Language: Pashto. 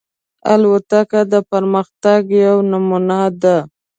الوتکه د پرمختګ یوه نمونه ده.